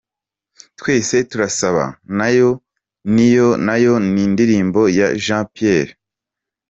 "Twese turasa" nayo n’indirimbo ya Jean Pierre H.